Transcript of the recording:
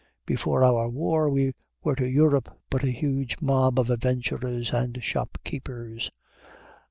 Before our war we were to Europe but a huge mob of adventurers and shopkeepers.